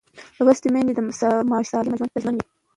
لوستې میندې د ماشوم سالم ژوند ته ژمن وي.